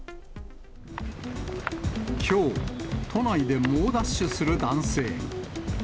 きょう、都内で猛ダッシュする男性。